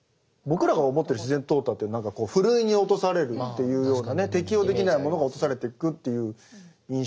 僕らが思ってる自然淘汰って何かふるいに落とされるっていうようなね適応できないものが落とされていくという印象なんですけど。